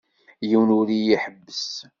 Yiwen ur iyi-iḥebbes.